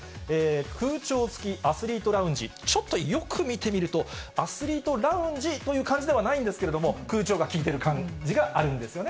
空調付きアスリートラウンジ、ちょっとよく見てみると、アスリートラウンジという感じではないんですけれども、空調が効いてる感じがあるんですよね。